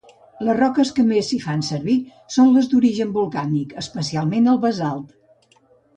Les roques que més s'hi fan servir són les d'origen volcànic, especialment el basalt.